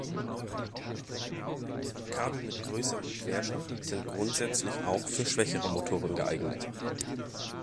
Kabel mit größerem Querschnitt sind grundsätzlich auch für schwächere Motoren geeignet.